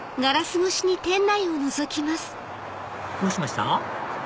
どうしました？